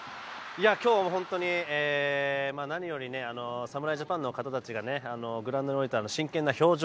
今日は本当に何より侍ジャパンの方たちがグラウンドに出たあの真剣な表情。